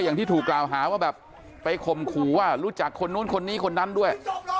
อย่างที่ถูกกล่าวหาว่าแบบไปข่มขู่ว่ารู้จักคนนู้นคนนี้คนนั้นด้วย